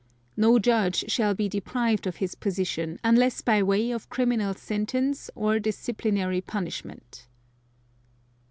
(2) No judge shall be deprived of his position, unless by way of criminal sentence or disciplinary punishment.